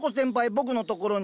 僕のところに。